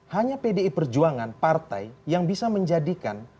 hanya pdi perjuangan partai yang bisa menjadikan